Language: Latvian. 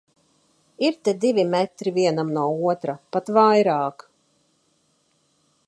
Ir te divi metri vienam no otra, pat vairāk.